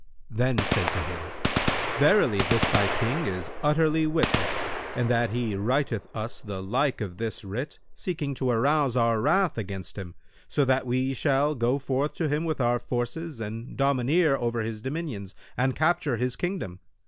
Then say to him, 'Verily, this thy King is utterly witless in that he writeth us the like of this writ seeking to arouse our wrath against him, so that we shall go forth to him with our forces and domineer over his dominions and capture his kingdom.